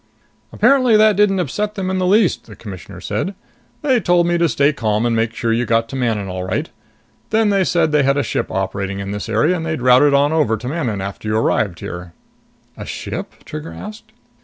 "Apparently that didn't upset them in the least," the Commissioner said. "They told me to stay calm and make sure you got to Manon all right. Then they said they had a ship operating in this area, and they'd route it over to Manon after you arrived here." "A ship?" Trigger asked.